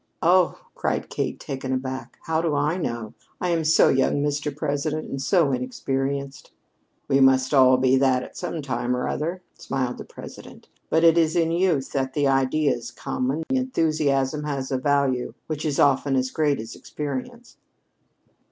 "Oh," cried Kate, taken aback, "how do I know? I am so young, Mr. President, and so inexperienced!" "We must all be that at some time or other," smiled the President. "But it is in youth that the ideas come; and enthusiasm has a value which is often as great as experience."